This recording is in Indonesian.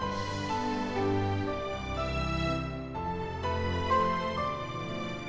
contohnya kadang itu miram gue fu right